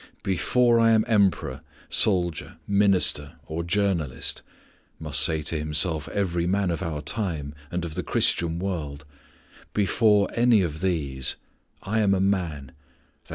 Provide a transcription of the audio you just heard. "Before I am Emperor, soldier, minister, or journalist," must say to himself every man of our time and of the Christian world, "before any of these, I am a man _i.